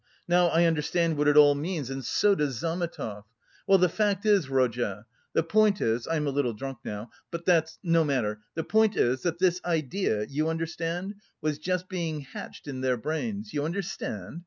Now I understand what it all means and so does Zametov.... Well, the fact is, Rodya... the point is... I am a little drunk now.... But that's... no matter... the point is that this idea... you understand? was just being hatched in their brains... you understand?